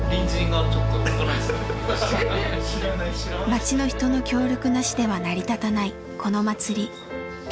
町の人の協力なしでは成り立たないこの祭り。